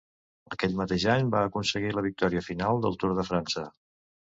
Aquell mateix any va aconseguir la victòria final del Tour de França.